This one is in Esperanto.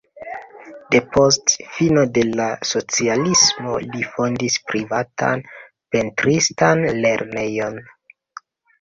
Depost fino de la socialismo li fondis privatan pentristan lernejon.